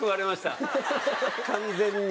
完全に。